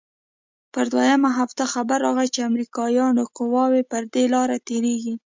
پر دويمه هفته خبر راغى چې امريکايانو قواوې پر دې لاره تېريږي.